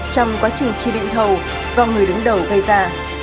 trong quá trình trì định thầu do người đứng đầu gây ra